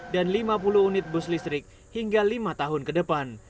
dan lima puluh unit bus listrik hingga lima tahun ke depan